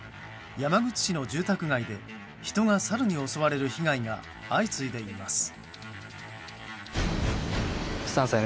山口市の住宅街で人がサルに襲われる被害が相次いでいます。